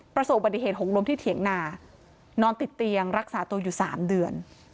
ประสบปฏิเหตุหกล้มที่เถียงนานอนติดเตียงรักษาตัวอยู่๓เดือน